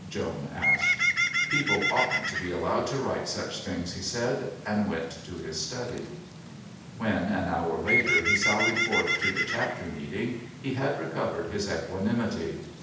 Joan asked. "People oughtn't to be allowed to write such things," he said, and went to his study. When an hour later he sallied forth to the Chapter Meeting he had recovered his equanimity.